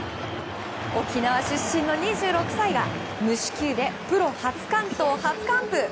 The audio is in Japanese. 沖縄出身の２６歳が無四球でプロ初完投初完封。